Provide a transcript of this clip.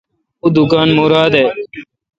اوں دکان مراد اے°